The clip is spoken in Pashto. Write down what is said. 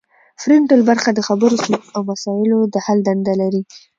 فرنټل برخه د خبرو سلوک او مسایلو د حل دنده لري